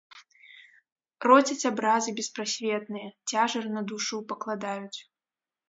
Родзяць абразы беспрасветныя, цяжар на душу пакладаюць.